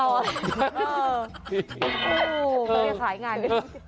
เฮ้ยจะขายงาน